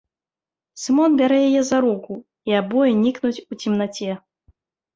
Сымон бярэ яе за руку, і абое нікнуць у цемнаце.